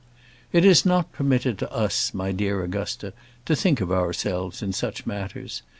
It is not permitted to us, my dear Augusta, to think of ourselves in such matters.